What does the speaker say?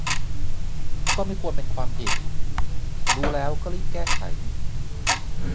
ก็ไม่ควรเป็นความผิด รู้แล้วก็รีบแก้ไข